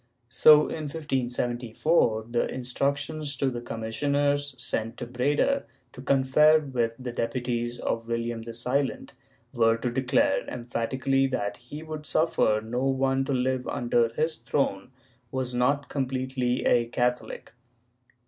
So, in 1574, the instructions to the commissioners sent to Breda to confer with the deputies of William the Silent, were to declare emphatically that he would suffer no one to live under his throne who was not com pletely a Catholic.